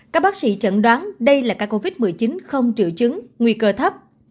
các bác sĩ chẩn đoán đây là ca covid một mươi chín không triệu chứng nguy cơ thấp